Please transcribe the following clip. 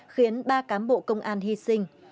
khiến ba cán bộ công an hy sinh